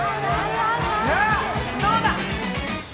どうだ。